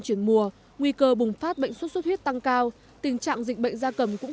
chuyển mùa nguy cơ bùng phát bệnh suốt suốt huyết tăng cao tình trạng dịch bệnh da cầm cũng